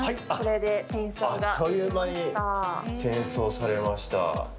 あっという間に転送されました。